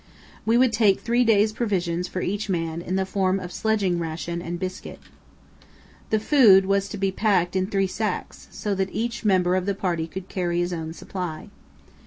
We would take three days' provisions for each man in the form of sledging ration and biscuit. The food was to be packed in three sacks, so that each member of the party could carry his own supply.